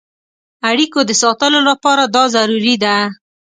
اړیکو د ساتلو لپاره دا ضروري ده.